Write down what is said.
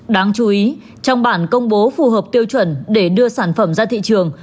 đáng chú ý trong bản công bố phù hợp tiêu chuẩn để đưa sản phẩm ra thị trường